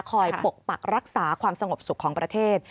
ปกปักรักษาความสงบสุขของประเทศ